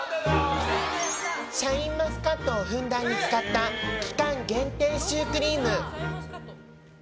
シャインマスカットをふんだんに使った期間限定シュークリーム。